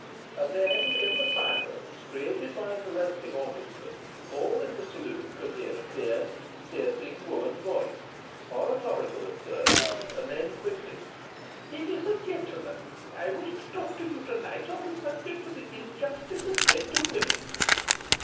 And then, in the silence created by the resting orchestra, all in the saloon could hear a clear, piercing woman's voice, oratorical at first and then quickening: "Ladies and gentlemen, I wish to talk to you to night on the subject of the injustice of men to women."